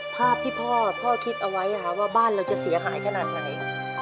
ภาพที่พ่อคิดเอาไว้ว่าบ้านเราจะเสียหายขนาดไหน